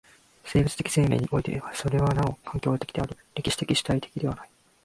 生物的生命においてはそれはなお環境的である、歴史的主体的ではない。